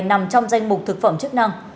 nằm trong danh mục thực phẩm chức năng